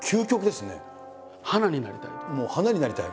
もう花になりたい。